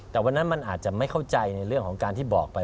แต่วันนั้นมันอาจจะไม่เข้าใจในเรื่องของการที่บอกไป